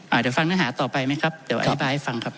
จะฟังเนื้อหาต่อไปไหมครับเดี๋ยวอธิบายให้ฟังครับ